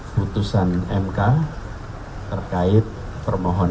putusan mk terkait permohonan